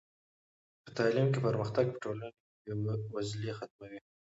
په تعلیم کې پرمختګ په ټولنه کې بې وزلي ختموي.